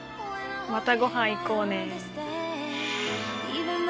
またご飯行こうね。